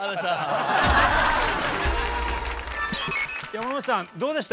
山之内さんどうでした？